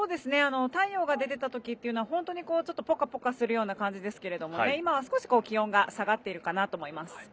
太陽が出てたときっていうのはぽかぽかするような感じですけど今は少し気温が下がっているかなと思います。